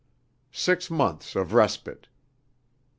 Six months of respite.